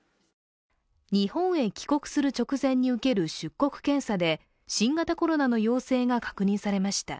日本へ帰国する直前に受ける出国検査で新型コロナの陽性が確認されました。